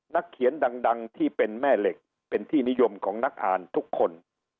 นักเขียนดังที่เป็นแม่เหล็กเป็นที่นิยมของนักอ่านทุกคน